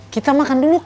kita makan dulu kak